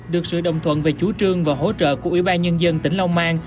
được sự đồng thuận về chú trương và hỗ trợ của ủy ban nhân dân tỉnh lòng an